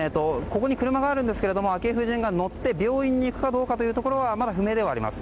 ここに車があるんですが昭恵夫人が乗って病院に行くかどうかはまだ不明ではあります。